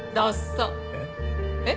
えっ？